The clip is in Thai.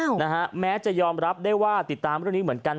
นะฮะแม้จะยอมรับได้ว่าติดตามเรื่องนี้เหมือนกัน